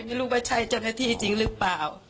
ไม่รู้ว่าใช่เจ้าหน้าที่จริงหรือเปล่า